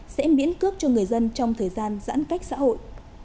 sẽ miễn cước cho người dân trong thời gian giãn cách xã hội